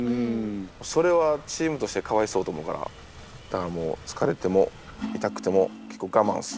それはチームとしてかわいそうと思うからだからもう疲れても痛くても結構がまんです。